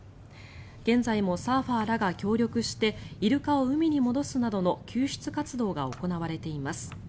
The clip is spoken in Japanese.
現在もサーファーらが協力してイルカを海に戻すなどの救出活動が行われています。